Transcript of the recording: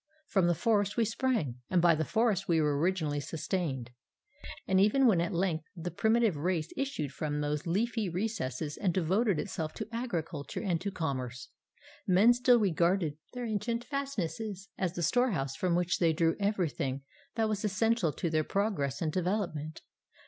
From the forest we sprang; and by the forest we were originally sustained. And even when at length the primitive race issued from those leafy recesses and devoted itself to agriculture and to commerce, men still regarded their ancient fastnesses as the storehouse from which they drew everything that was essential to their progress and development.